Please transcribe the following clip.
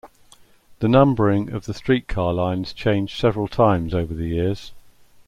The numbering of the streetcar lines changed several times over the years.